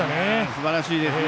すばらしいですね。